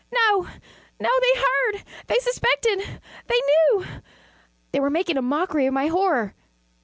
no, no! They heard! they suspected! they knew! they were making a mockery of my horror!